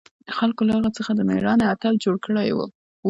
خلقو له هغه څخه د مېړانې اتل جوړ کړى و.